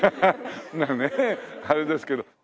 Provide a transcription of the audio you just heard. あれですけど。